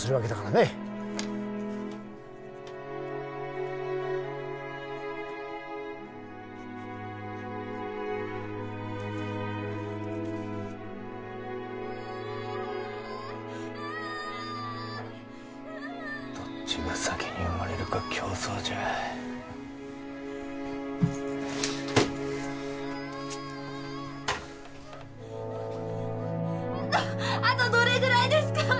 ・あッあッどっちが先に生まれるか競争じゃあとどれぐらいですか？